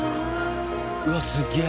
うわっすげえ！